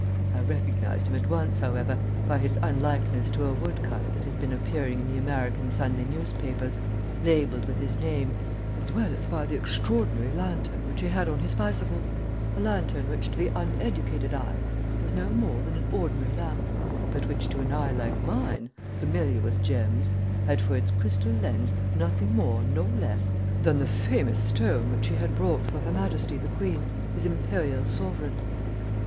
I recognized him at once, however, by his unlikeness to a wood cut that had been appearing in the American Sunday newspapers, labelled with his name, as well as by the extraordinary lantern which he had on his bicycle, a lantern which to the uneducated eye was no more than an ordinary lamp, but which to an eye like mine, familiar with gems, had for its crystal lens nothing more nor less than the famous stone which he had brought for her Majesty the Queen, his imperial sovereign.